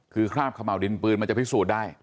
คือคราบขม่าวดินปืนมันจะพิสูจน์ได้